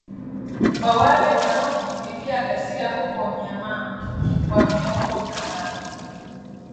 kwa wale wanaokimbia ghasia huko Myanmar kwa miongo kadhaa